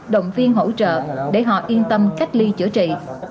động viên hỗ trợ để họ yên tâm cách ly chữa trị